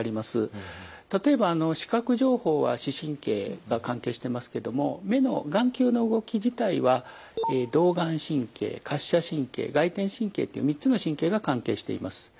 例えばあの視覚情報は視神経が関係してますけども目の眼球の動き自体は動眼神経滑車神経外転神経っていう３つの神経が関係しています。